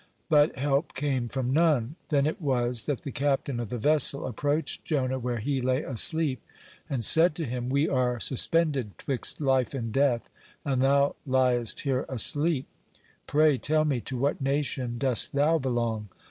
But help came from none. Then it was that the captain of the vessel approached Jonah where he lay asleep, and said to him: "We are suspended 'twixt life and death, and thou liest here asleep. Pray, tell me, to what nation dost thou belong?"